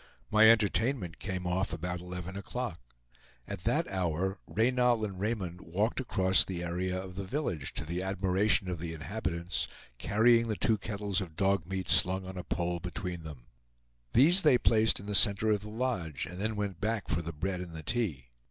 My entertainment came off about eleven o'clock. At that hour, Reynal and Raymond walked across the area of the village, to the admiration of the inhabitants, carrying the two kettles of dog meat slung on a pole between them. These they placed in the center of the lodge, and then went back for the bread and the tea.